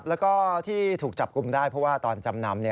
แล้วก็ที่ถูกจับกลุ่มได้เพราะว่าตอนจำนำ